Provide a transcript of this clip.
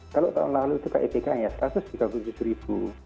kalau tahun lalu itu kitknya rp satu ratus tiga puluh tujuh